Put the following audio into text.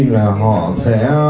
là họ sẽ